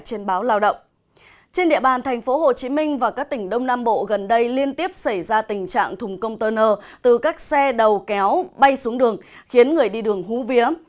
trên địa bàn tp hcm và các tỉnh đông nam bộ gần đây liên tiếp xảy ra tình trạng thùng công tơ nơ từ các xe đầu kéo bay xuống đường khiến người đi đường hú vía